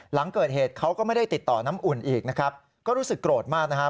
หลังเกิดเหตุเขาก็ไม่ได้ติดต่อน้ำอุ่นอีกนะครับก็รู้สึกโกรธมากนะครับ